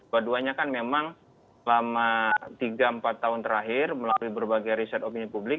kedua duanya kan memang selama tiga empat tahun terakhir melalui berbagai riset opini publik